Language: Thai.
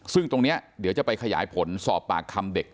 ซึ่งตรงนี้เดี๋ยวจะไปขยายผลสอบปากคำเด็ก